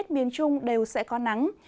miền trung đều sẽ có nắng